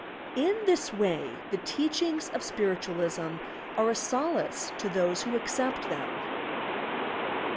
In this way, the teachings of Spiritualism are a solace to those who accept them.